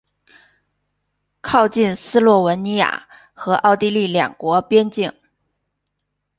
靠近斯洛文尼亚和奥地利两国边境。